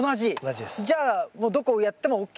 じゃあもうどこをやってもＯＫ？